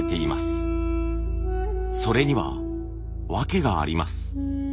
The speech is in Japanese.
それには訳があります。